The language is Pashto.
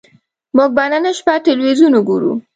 موږ به نن شپه ټلویزیون وګورو